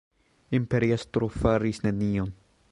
Imperiestro faris nenion.